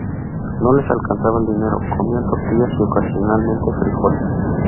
No les alcanzaba el dinero; comían tortillas y ocasionalmente frijoles.